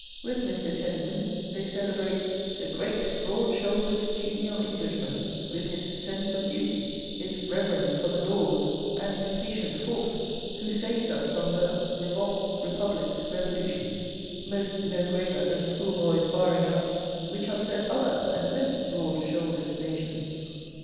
With Mr. Tennyson, they celebrate "the great broad shouldered genial Englishman," with his "sense of duty," his "reverence for the laws," and his "patient force," who saves us from the "revolts, republics, revolutions, most no graver than a schoolboy's barring out," which upset other and less broad shouldered nations.